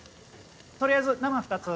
取りあえず生２つ。